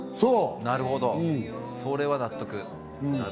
なるほど、それは納得。